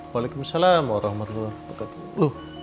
waalaikumsalam warahmatullahi wabarakatuh